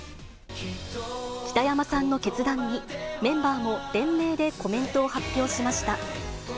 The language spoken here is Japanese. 北山さんの決断に、メンバーも連名でコメントを発表しました。